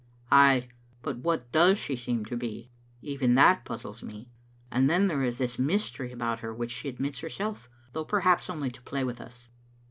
" Ay, but what does she seem to be? Even that puz zles me. And then there is this mystery about her which she admits herself, though perhaps only to play with us."